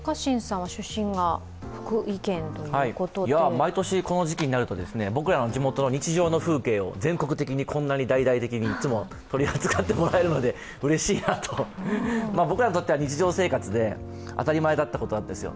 毎年この時期になると僕らの地元の日常風景を全国的にこんなに大々的にいつも取り扱ってもらえるのでうれしいなと、僕らにとっては日常生活で当たり前だったことなんですよ。